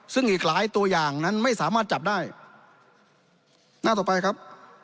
ซึ่งอีกหลายตัวอย่างนั้นไม่สามารถจับได้หน้าต่อไปครับ